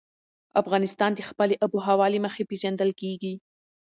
افغانستان د خپلې آب وهوا له مخې پېژندل کېږي.